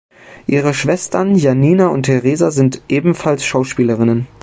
Ihre Schwestern Janina und Theresa sind ebenfalls Schauspielerinnen.